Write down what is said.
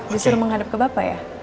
disuruh menghadap ke bapak ya